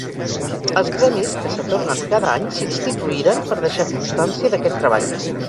Els premis que s'atorguen cada any s'instituïren per deixar constància d'aquest treball.